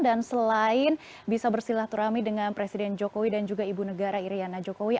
dan selain bisa bersilah turami dengan presiden jokowi dan juga ibu negara iryana jokowi